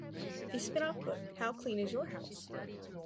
A spin-off book, How Clean Is Your House?